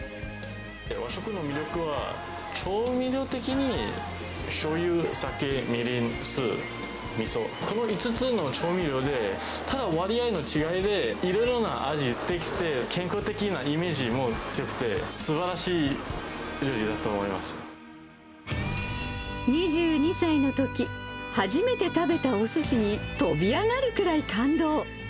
和食の魅力は調味料的にしょうゆ、酒、みりん、酢、みそ、その５つの調味料で、ただ割合の違いで、いろいろな味できて、健康的なイメージも強くて、すばらしい料理２２歳のとき、初めて食べたおすしに飛び上がるくらい感動。